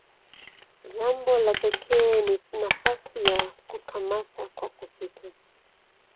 Jambo la pekee ni nafasi ya "kukamata kwa kupita".